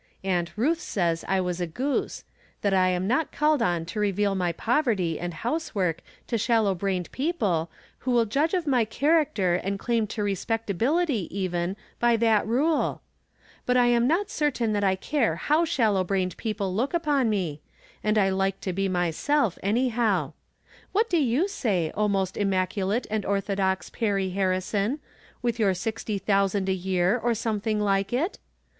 Aunt Ruth says I was a goose ; that I am not called on to reveal my poverty andhouse From Different Standpoints. 17 work to shallow brained people, who will judge of my character and claim to respectabihty, even, by that rule. But I am not certain that I care how shallow brained people look upon me, and I like to be myself, anyhow. What do you say, oh, most immaculate and orthodox Perry Har rison, with your sixty thousand a year, or some thing like it